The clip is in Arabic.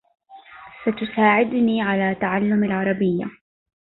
ستساعدني على تعلّم العربية.